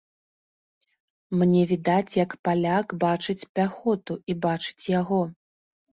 Мне відаць, як паляк бачыць пяхоту і бачыць яго.